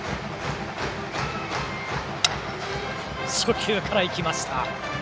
初球からいきました。